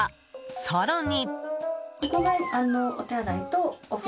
更に。